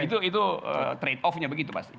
itu trade off nya begitu pasti